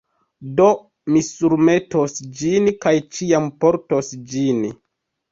Do mi surmetos ĝin, kaj ĉiam portos ĝin.